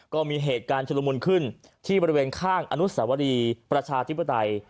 ก็มีเหตุการณ์ชุลมุนขึ้นที่บริเวณข้างอนุสวรีประชาธิปไตย